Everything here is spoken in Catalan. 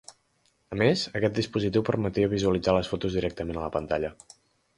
A més, aquest dispositiu permetia visualitzar les fotos directament a la pantalla.